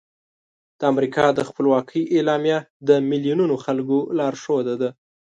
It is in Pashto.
د امریکا د خپلواکۍ اعلامیه د میلیونونو خلکو لارښود ده.